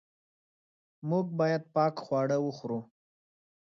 موږ باید پاک خواړه وخورو.